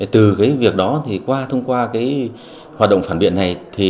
từ việc đó qua thông qua hoạt động phản biện này